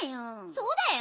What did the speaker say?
そうだよ。